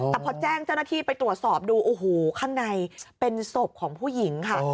แต่พอแจ้งเจ้าหน้าที่ไปตรวจสอบดูโอ้โหข้างในเป็นศพของผู้หญิงค่ะ